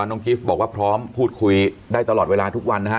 กิฟต์บอกว่าพร้อมพูดคุยได้ตลอดเวลาทุกวันนะฮะ